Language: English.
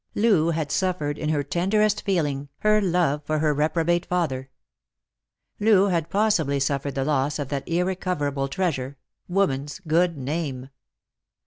Loo had suffered in her tenderest feeling — her love for her Lost for Love. 13 L reprobate father. Loo had possibly suffered the loss of that irre coverable treasure, woman's good name.